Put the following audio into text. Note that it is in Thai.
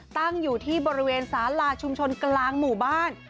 ตั้งอยู่ที่บริเวณสาลาชุมชนกลางหมู่บ้าน